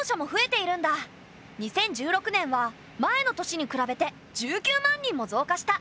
２０１６年は前の年に比べて１９万人も増加した。